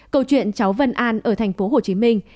câu chuyện cháu vân an ở thành phố hồ chí minh